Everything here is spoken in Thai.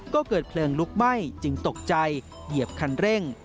ก็เกิดเพลิงลุกไหม้จึงตกใจเหยียบคันเร่ง